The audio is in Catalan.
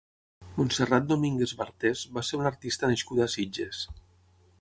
Montserrat Domínguez Bartés va ser una artista nascuda a Sitges.